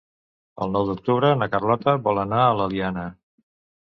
El nou d'octubre na Carlota vol anar a l'Eliana.